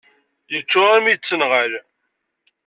Yeččur almi yettenɣal.